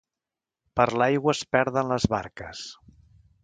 Per l'aigua es perden les barques.